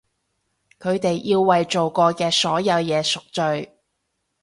佢哋要為做過嘅所有嘢贖罪！